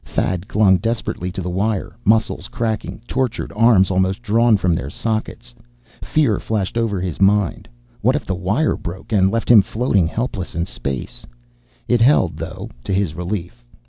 Thad clung desperately to the wire, muscles cracking, tortured arms almost drawn from their sockets. Fear flashed over his mind; what if the wire broke, and left him floating helpless in space? It held, though, to his relief.